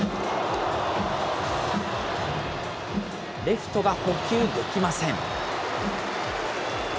レフトが捕球できません。